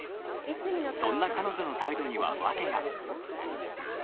そんな彼女の態度には訳が